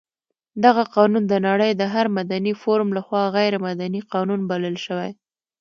دغه قانون د نړۍ د هر مدني فورم لخوا غیر مدني قانون بلل شوی.